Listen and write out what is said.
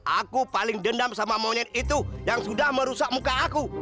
aku paling dendam sama monyet itu yang sudah merusak muka aku